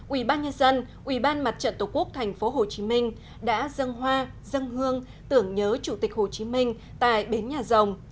ủy ban nhân dân ủy ban mặt trận tổ quốc tp hcm đã dâng hoa dân hương tưởng nhớ chủ tịch hồ chí minh tại bến nhà rồng